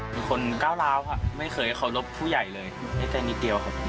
มีคนก้าวลาวไม่เคยหรับผู้ใหญ่เลยไม่แค่นิดเดียวของเขา